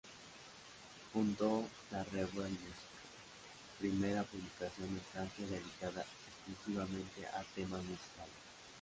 Fundó la "Revue Musicale", primera publicación en Francia dedicada exclusivamente a temas musicales.